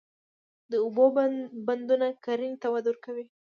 د اوبو بندونه کرنې ته وده ورکوي.